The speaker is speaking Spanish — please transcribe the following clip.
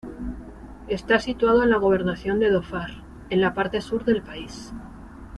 Está situado en la gobernación de Dhofar, en la parte sur del país.